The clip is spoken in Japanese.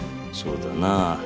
そうだなぁ。